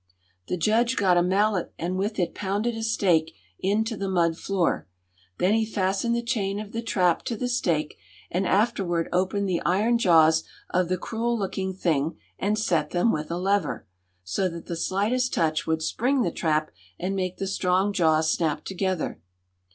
The judge got a mallet and with it pounded a stake into the mud floor. Then he fastened the chain of the trap to the stake, and afterward opened the iron jaws of the cruel looking thing and set them with a lever, so that the slightest touch would spring the trap and make the strong jaws snap together.